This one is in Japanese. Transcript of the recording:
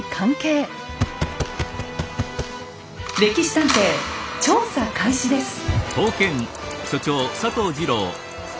「歴史探偵」調査開始です。